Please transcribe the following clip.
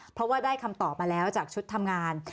เพราะว่าได้คำตอบมาแล้วจากชุดทำงาน